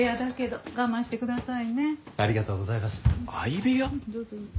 どうぞ。